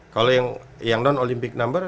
kalau yang non olympic number